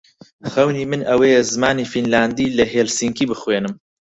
خەونی من ئەوەیە زمانی فینلاندی لە هێلسینکی بخوێنم.